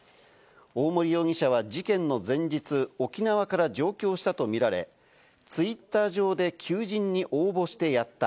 大森容疑者は事件の前日、沖縄から上京したとみられ、Ｔｗｉｔｔｅｒ上で求人に応募してやった。